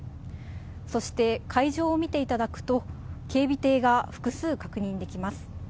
そして、海上を見ていただくと、警備艇が複数確認できます。